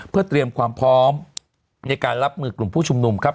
เพื่อเตรียมความพร้อมในการรับมือกลุ่มผู้ชุมนุมครับ